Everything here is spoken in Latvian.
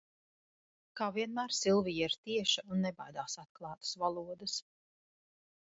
Kā vienmēr Silvija ir tieša un nebaidās atklātas valodas.